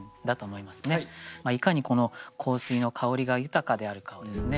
いかにこの香水の香りが豊かであるかをですね